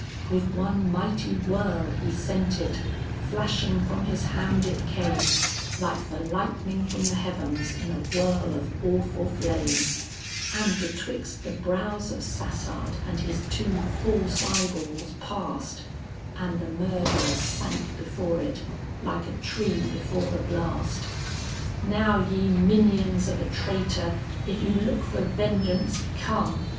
With one mighty whirl he sent it; flashing from his hand it came, Like the lightning from the heavens in a whirl of awful flame, And betwixt the brows of Sassard and his two false eyeballs passed, And the murderer sank before it, like a tree before the blast. "Now ye minions of a traitor if you look for vengeance, come!"